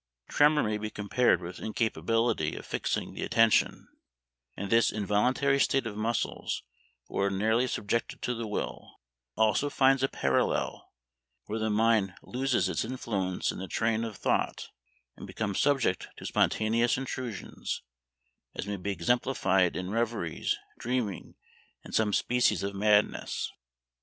Tremor may be compared with incapability of fixing the attention, and this involuntary state of muscles ordinarily subjected to the will, also finds a parallel where the mind loses its influence in the train of thought, and becomes subject to spontaneous intrusions; as may be exemplified in reveries, dreaming, and some species of madness."